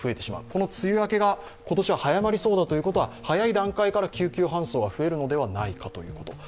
この梅雨明けが今年は早まりそうだということは早い段階から救急搬送が増えるのではないかということ。